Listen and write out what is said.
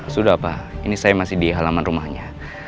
sudah pak ini saya masih di halaman rumahnya